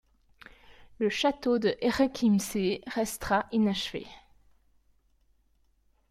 Le Château de Herrenchiemsee restera inachevé.